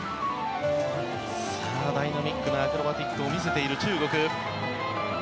ダイナミックなアクロバティックを見せている中国。